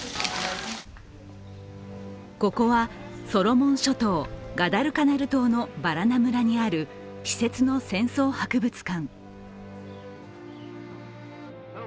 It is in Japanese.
ここは、ソロモン諸島ガダルカナル島のバラナ村にある私設の戦争博物館。